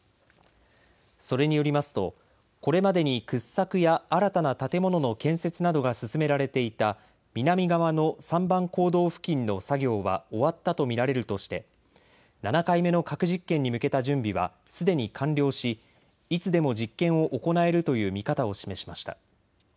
それによりますとこれまでに掘削や新たな建物の建設などが進められていた南側の３番坑道付近の作業は終わったと見られるとして７回目の核実験に向けた準備はすでに完了しいつでも実験を行えるという見方を示しました。